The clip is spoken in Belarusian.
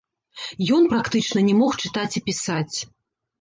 Ён практычна не мог чытаць і пісаць.